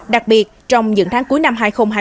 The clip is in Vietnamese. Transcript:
đặc biệt trong những tháng cuối năm hai nghìn hai mươi